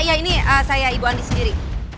ya ini saya ibu andis sendiri